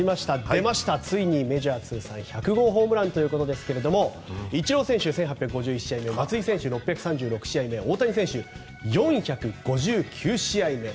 出ました、ついにメジャー通算１００号ホームランということですがイチロー選手は１８５１試合目松井選手、６３６試合目大谷選手、４５９試合目。